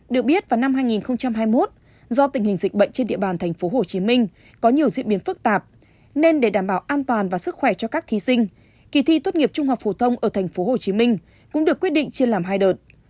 được biết vào năm hai nghìn hai mươi một do tình hình dịch bệnh trên địa bàn tp hcm có nhiều diễn biến phức tạp nên để đảm bảo an toàn và sức khỏe cho các thí sinh kỳ thi tốt nghiệp trung học phổ thông ở tp hcm cũng được quyết định chia làm hai đợt